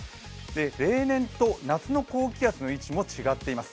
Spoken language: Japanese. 例年と夏の高気圧の位置も違っています。